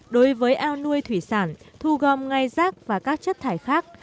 đối với ao nuôi thủy sản thu gom ngay rác và các chất thải khác